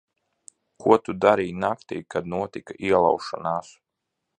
Ko tu darīji naktī, kad notika ielaušanās?